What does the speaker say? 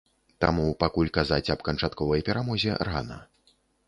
Таму пакуль казаць аб канчатковай перамозе рана.